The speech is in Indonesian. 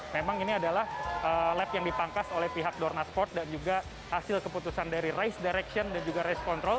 memang ini adalah lab yang dipangkas oleh pihak dorna sport dan juga hasil keputusan dari race direction dan juga race control